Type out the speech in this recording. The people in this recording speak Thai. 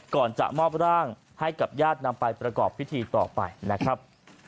ก่อนจะมอบร่างให้กับญาตินำไปประกอบพิธีต่อไปนะครับ